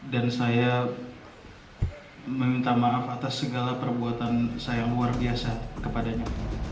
saya meminta maaf atas segala perbuatan saya luar biasa kepadanya